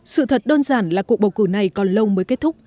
sự thật đơn giản là cuộc bầu cử này còn lâu mới kết thúc